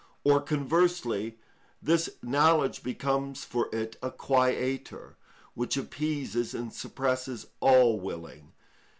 Or, conversely, this knowledge becomes for it a quieter, which appeases and suppresses all willing.